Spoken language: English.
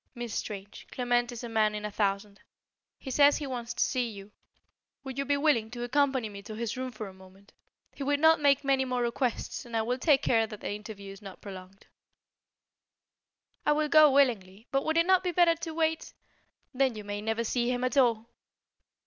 Miss Strange, Clement is a man in a thousand. He says he wants to see you. Would you be willing to accompany me to his room for a moment? He will not make many more requests and I will take care that the interview is not prolonged." "I will go willingly. But would it not be better to wait " "Then you may never see him at all."